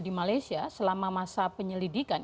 di malaysia selama masa penyelidikan